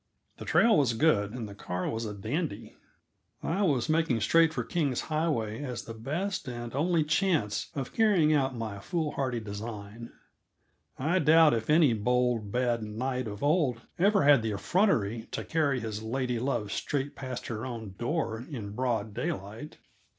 The trail was good, and the car was a dandy. I was making straight for King's Highway as the best and only chance of carrying out my foolhardy design. I doubt if any bold, bad knight of old ever had the effrontery to carry his lady love straight past her own door in broad daylight.